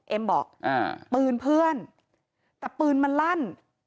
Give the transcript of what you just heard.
เอ็มบอกปืนเพื่อนแต่ปืนมันลั่น